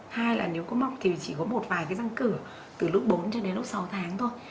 hai là nếu có mọc thì chỉ có một vài cái răng cử từ lúc bốn cho đến lúc sáu tháng thôi